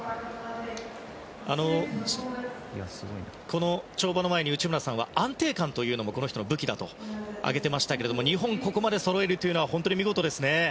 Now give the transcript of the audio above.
この跳馬の前に、内村さんは安定感というのもこの人の武器だと挙げていましたけれども２本、ここまでそろえるのは見事ですよね。